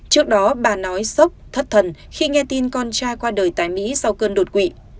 trước đó bà nói sốc thất thần khi nghe tin con trai qua đời tại mỹ sau cơn đột quỵ